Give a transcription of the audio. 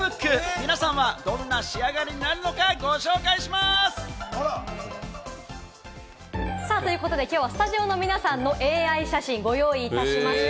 皆さんはどんな仕上がりになるのか、ご紹介します。ということできょうはスタジオの皆さんのＡＩ写真をご用意いたしました。